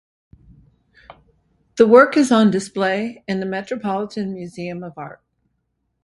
The work is on display in the Metropolitan Museum of Art.